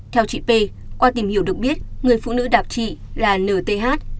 theo chị p qua tìm hiểu được biết người phụ nữ đạp chị là nhth